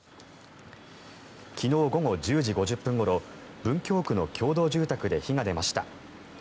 昨日午後１０時５０分ごろ文京区の共同住宅で火が出ました。